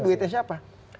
itu duitnya siapa